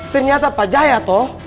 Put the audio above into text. ternyata pak jaya toh